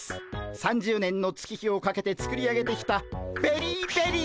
３０年の月日をかけて作り上げてきたベリーベリー